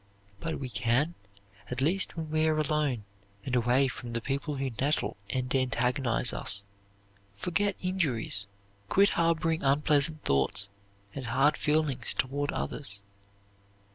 But we can, at least when we are alone, and away from the people who nettle and antagonize us, forget injuries, quit harboring unpleasant thoughts and hard feelings toward others.